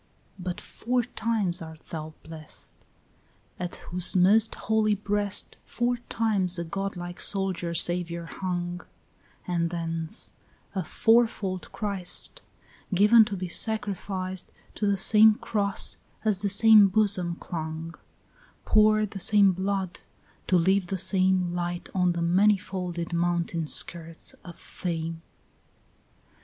2 But four times art thou blest, At whose most holy breast Four times a godlike soldier saviour hung; And thence a fourfold Christ Given to be sacrificed To the same cross as the same bosom clung; Poured the same blood, to leave the same Light on the many folded mountain skirts of fame.